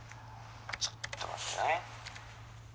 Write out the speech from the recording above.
ちょっと待ってね」。